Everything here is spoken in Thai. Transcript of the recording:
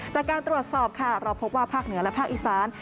จากการตรวจสอบค่ะเราพบว่าภาคเหนือและภาคอีสาน